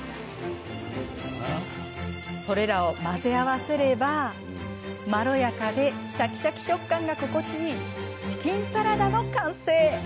それらを混ぜ合わせればまろやかでシャキシャキ食感が心地よいチキンサラダの完成。